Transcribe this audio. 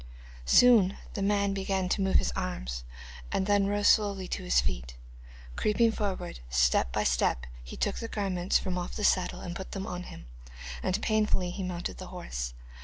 Soon the man began to move his arms, and then rose slowly to his feet. Creeping forward step by step he took the garments from off the saddle and put them on him, and painfully he mounted the horse.